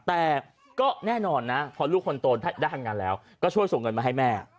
แต่ก็แน่นอนนะพอลูกคนโตได้ทำงานแล้วก็ช่วยส่งเงินมาให้แม่